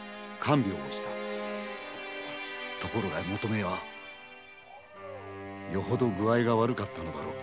ところが求馬はよほど具合が悪かったのだろう。